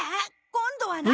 今度は何？